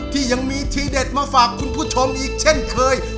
ที่ยังมีทีเด็ดมาฝากคุณผู้ชมอีกเช่นเคย